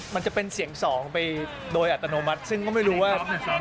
มันจะเป็นเสียงสองไปโดยอัตโนมัติซึ่งก็ไม่รู้ว่า